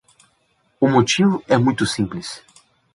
O motivo é muito simples.